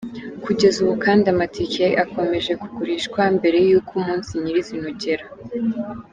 Kugeza ubu kandi amatike akomeje kugurishwa mbere y’uko umunsi nyir’izina ugera.